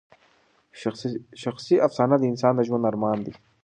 شخصي افسانه د انسان د ژوند ارمان دی.